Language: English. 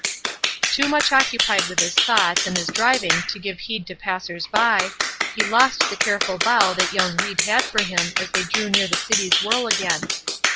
Too much occupied with his thoughts and his driving to give heed to passers by, he lost the careful bow that young Ried had for them as they drew near the city's whirl again.